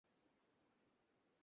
কিন্তু কর্মজীবী নারীর সে উপায় নেই।